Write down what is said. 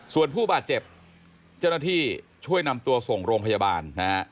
ส่วนผู้บาดเจ็บเจ้าหน้าที่ช่วยนำตัวส่งโรงพยาบาลนะฮะ